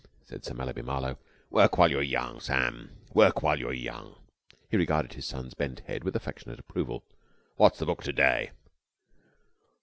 said Sir Mallaby Marlowe. "Work while you're young, Sam, work while you're young." He regarded his son's bent head with affectionate approval. "What's the book to day?"